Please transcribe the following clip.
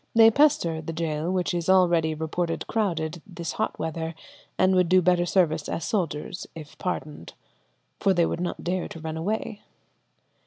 They pester the gaol, which is already reported crowded, this hot weather, and would do better service as soldiers if pardoned, 'for they would not dare to run away.'"